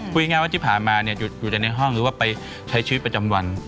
พูดง่ายว่าที่ผ่านมาอยู่แต่ในห้องหรือว่าไปใช้ชีวิตประจำวัน